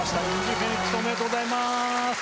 おめでとうございます。